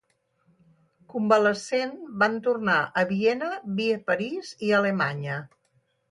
Convalescent, van tornar a Viena, via París i Alemanya.